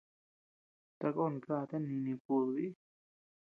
Takon káta nini kudubi.